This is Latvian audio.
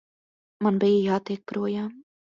Man bija jātiek projām.